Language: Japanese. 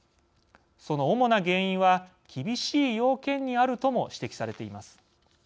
その主な原因は厳しい要件にあるとも指摘されています。